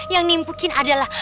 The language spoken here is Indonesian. yang nimbukin adalah